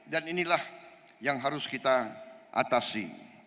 dan inilah yang harus kita atasi